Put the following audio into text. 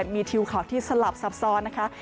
มีทิวข่าวที่สลับซับซ้อนนะคะ